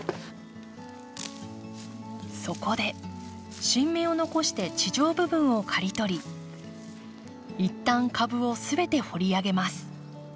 そこで新芽を残して地上部分を刈り取り一旦株を全て掘り上げます。